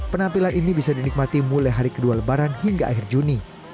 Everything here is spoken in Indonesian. penampilan ini bisa dinikmati mulai hari kedua lebaran hingga akhir juni